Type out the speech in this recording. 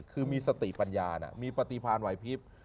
คือมีสติปัญญานะมีปฏิพรรณไหวภิพธิ์